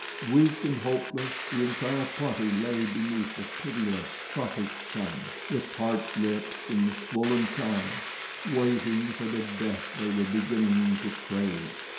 Weak and hopeless, the entire party lay beneath the pitiless tropic sun, with parched lips and swollen tongues, waiting for the death they were beginning to crave.